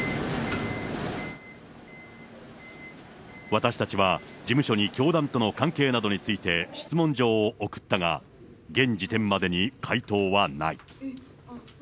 私たちは、事務所に教団との関係などについて質問状を送ったが、現時点までに回答はない。